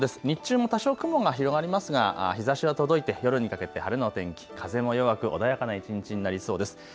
日中も多少雲が広がりますが日ざしは届いて夜にかけて晴れの天気、風も弱く穏やかな一日になりそうです。